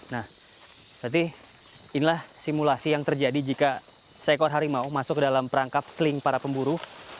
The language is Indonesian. nah berarti inilah simulasi yang terjadi jika seekor harimau masuk ke dalam perangkap seling para pemburu